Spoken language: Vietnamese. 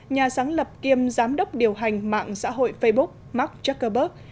nhà sáng lập kiêm giám đốc điều hành mạng xã hội facebook mark zuckerberg